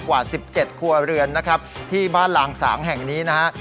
กว่า๑๗ครัวเรือนนะครับที่บ้านลางสางแห่งนี้นะฮะ